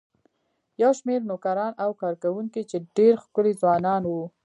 یو شمېر نوکران او کارکوونکي چې ډېر ښکلي ځوانان وو.